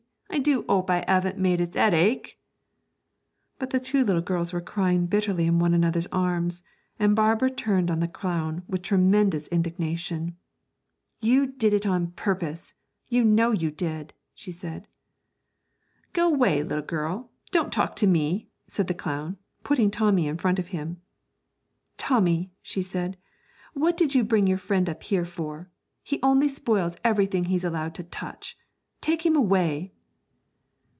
I do 'ope I 'aven't made its 'ead ache!' But the two little girls were crying bitterly in one another's arms, and Barbara turned on the clown with tremendous indignation. 'You did it on purpose, you know you did!' she said. 'Go away, little girl; don't talk to me!' said the clown, putting Tommy in front of him. 'Tommy,' she said, 'what did you bring your friend up here for? He only spoils everything he's allowed to touch. Take him away!'